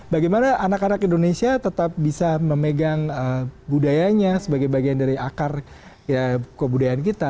bagaimana anak anak indonesia tetap bisa memegang budayanya sebagai bagian dari akar kebudayaan kita